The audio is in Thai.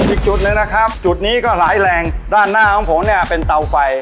อีกจุดหนึ่งนะครับจุดนี้ก็หลายแรงด้านหน้าของผมเนี่ยเป็นเตาไฟ